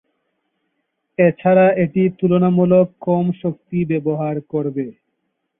এছাড়া এটি তুলনামূলক কম শক্তি ব্যবহার করবে।